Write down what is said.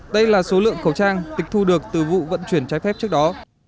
đây là số lượng khẩu trang tịch thu được từ vụ vận chuyển trái phép trước đó